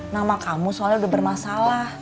nama kamu soalnya udah bermasalah